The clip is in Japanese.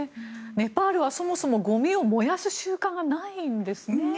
ネパールはそもそもゴミを燃やす習慣がないんですね。